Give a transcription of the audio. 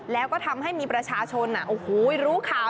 แล้วก็ทำให้มีประชาชนโอ้โหรู้ข่าว